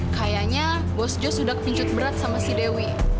kayaknya bos jos sudah kepincut berat sama si dewi